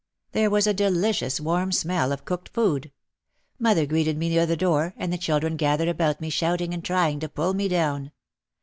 There was a deli cious warm smell of cooked food. Mother greeted me near the door and the children gathered about me shout ing and trying to pull me down.